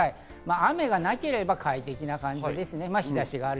雨のなければ快適な感じです。